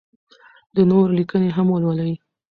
د نورو لیکنې هم ولولئ.